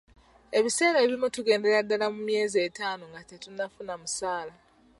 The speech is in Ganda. Ebiseera ebimu tugendera ddala mu myezi etaano nga tetunnafuna musaala.